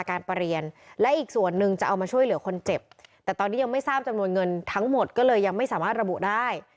ตอนนี้ยังไม่ทราบจำนวนเงินทั้งหมดก็เลยยังไม่สามารถระบุได้